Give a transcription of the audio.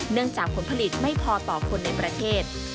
จากผลผลิตไม่พอต่อคนในประเทศ